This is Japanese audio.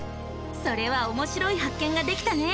それはおもしろい発見ができたね！